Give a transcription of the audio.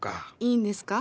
いいんですか？